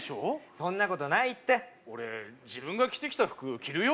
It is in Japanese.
そんなことないって俺自分が着てきた服着るよ？